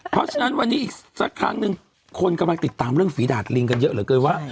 เพราะฉะนั้นวันนี้อีกสักครั้งหนึ่งคนกำลังติดตามเรื่องฝีดาดลิงกันเยอะเหลือเกินว่า